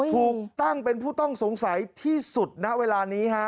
ถูกตั้งเป็นผู้ต้องสงสัยที่สุดณเวลานี้ฮะ